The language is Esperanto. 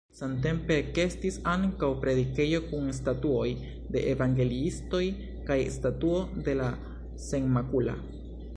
Samtempe ekestis ankaŭ predikejo kun statuoj de evangeliistoj kaj statuo de la Senmakula.